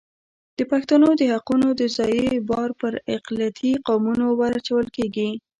د پښتنو د حقونو د ضیاع بار پر اقلیتي قومونو ور اچول کېږي.